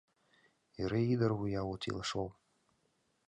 — Эре ӱдыр вуя от иле шол.